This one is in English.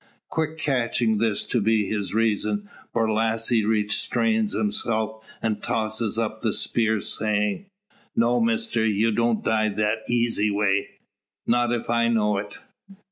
Quick catching this to be his reason, Borlasse restrains himself, and tosses up the spear, saying: "No, Mister; ye don't die that eesy way not if I know it.